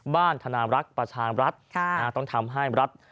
บ้านธนารักษ์ประชารรัฐ